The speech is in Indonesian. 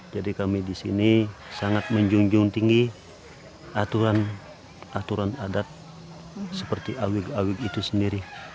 jadi kami disini sangat menjunjung tinggi aturan adat seperti awig awig itu sendiri